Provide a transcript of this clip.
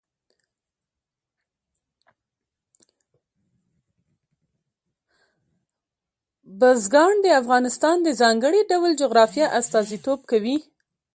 بزګان د افغانستان د ځانګړي ډول جغرافیه استازیتوب کوي.